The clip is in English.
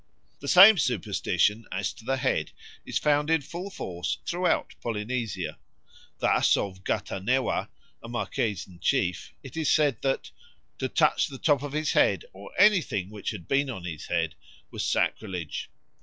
The same superstition as to the head is found in full force throughout Polynesia. Thus of Gattanewa, a Marquesan chief, it is said that "to touch the top of his head, or anything which had been on his head, was sacrilege.